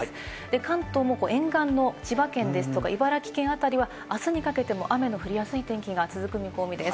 関東も沿岸の千葉県ですとか茨城県辺りは、あすにかけても雨の降りやすい天気が続く見込みです。